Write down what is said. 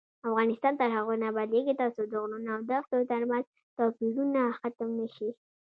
افغانستان تر هغو نه ابادیږي، ترڅو د غرونو او دښتو ترمنځ توپیرونه ختم نشي.